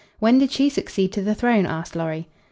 When did she succeed to the throne?" asked Lorry.